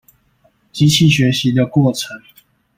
機器學習的過程